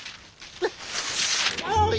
おい！